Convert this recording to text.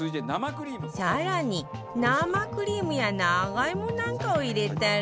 更に生クリームや長芋なんかを入れたら